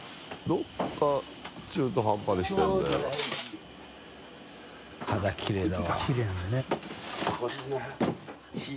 どこか中途半端でしてるんだよな。